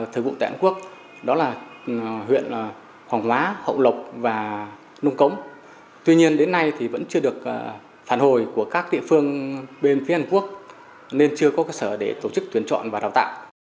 thời vụ tại hàn quốc đó là huyện hoàng hóa hậu lộc và nông cống tuy nhiên đến nay thì vẫn chưa được phản hồi của các địa phương bên phía hàn quốc nên chưa có cơ sở để tổ chức tuyển chọn và đào tạo